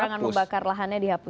larangan membakar lahannya dihapus